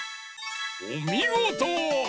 おみごと！